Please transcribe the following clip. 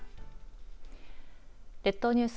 列島ニュース